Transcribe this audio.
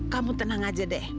kamu tenang aja deh